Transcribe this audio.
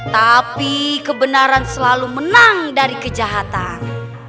tapi kebenaran selalu menang dari kejahatan